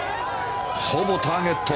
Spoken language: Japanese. ほぼターゲット。